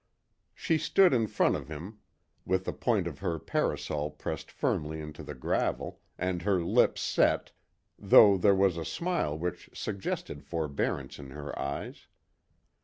She stood in front of him, with the point of her parasol pressed firmly into the gravel, and her lips set, though there was a smile which suggested forbearance in her eyes.